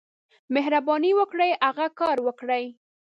مهرباني وکړئ، هغه کار وکړئ.